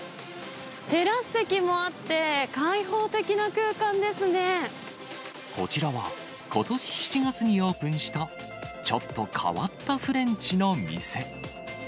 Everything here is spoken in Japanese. テラス席もあって、開放的なこちらは、ことし７月にオープンした、ちょっと変わったフレンチの店。